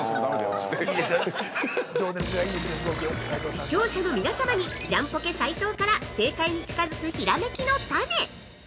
◆視聴者の皆様に、ジャンポケ斉藤から正解に近づくひらめきのタネ。